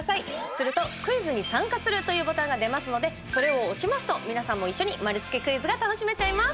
すると「クイズに参加する」というボタンが出ますのでそれを押しますと皆さんも一緒に丸つけクイズが楽しめちゃいます。